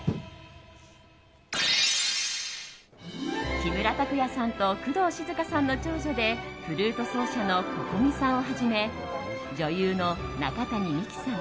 木村拓哉さんと工藤静香さんの長女でフルート奏者のＣｏｃｏｍｉさんをはじめ女優の中谷美紀さん